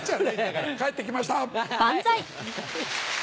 帰って来ました！